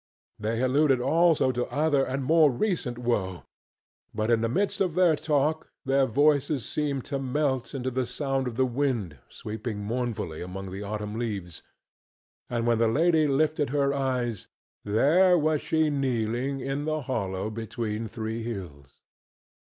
They alluded also to other and more recent woe, but in the midst of their talk their voices seemed to melt into the sound of the wind sweeping mournfully among the autumn leaves; and when the lady lifted her eyes, there was she kneeling in the hollow between three hills.